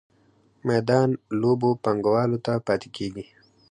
میدان لویو پانګوالو ته پاتې کیږي.